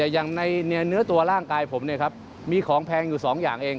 อย่างในเนื้อตัวร่างกายผมมีของแพงอยู่๒อย่างเอง